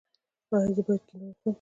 ایا زه باید کینو وخورم؟